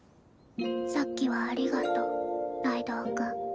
さっきはありがとうライドウ君。